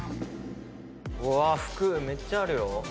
服めっちゃあるよ。